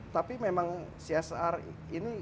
tapi memang csr ini